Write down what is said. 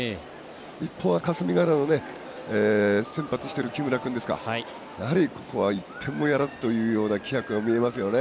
一方、霞ヶ浦の先発してる木村君ですかやはり、ここは１点もやらずというような気迫も見えますよね。